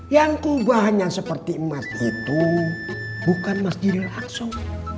yang kubahnya seperti emas itu bukan mas jidil aksok